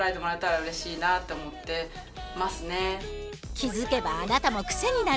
気付けばあなたもクセになる！